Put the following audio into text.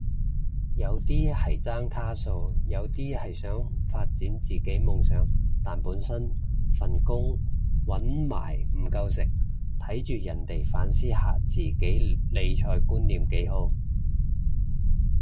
有啲係爭卡數，有啲係想發展自己夢想但本身份工搵埋唔夠食，睇住人哋反思下自己理財觀念幾好